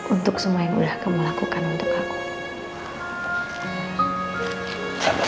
untuk semua yang udah kamu lakukan untuk aku